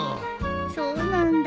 そうなんだ。